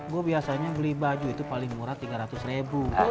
gue biasanya beli baju itu paling murah tiga ratus ribu